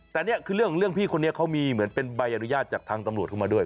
แต่นี่คือเรื่องพี่คนนี้เขามีเหมือนเป็นใบอนุญาตจากทางตำรวจเข้ามาด้วย